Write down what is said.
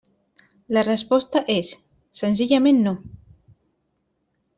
La resposta és: senzillament no.